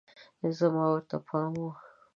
زما ورته پام و